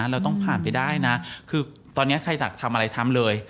เราต้องผ่านไปได้นะคือตอนนี้ใครอยากทำอะไรทำเลย